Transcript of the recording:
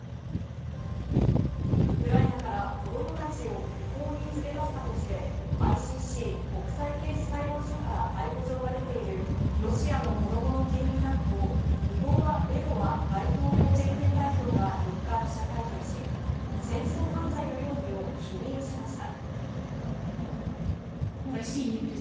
ウクライナから子供たちを不法に連れ出したとして、ＩＣＣ＝国際刑事裁判所から逮捕状が出ているロシアの子供の権利担当・リボワベロワ全権代表が４日、記者会見し、戦争犯罪の容疑を否認しました。